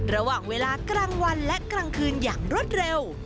ระหว่างเวลากลางวันและกลางคืนอย่างรวดเร็ว